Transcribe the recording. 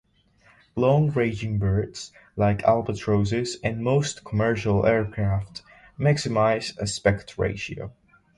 Long-ranging birds, like albatrosses, and most commercial aircraft maximize aspect ratio.